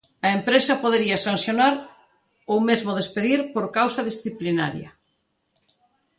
A empresa podería sancionar ou mesmo despedir por causa disciplinaria.